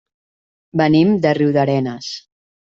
Venim de Riudarenes.